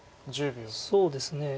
そうですね。